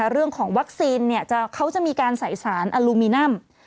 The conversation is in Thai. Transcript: เรื่องของวัคซีนเขาจะมีการใส่สารอลูมินัม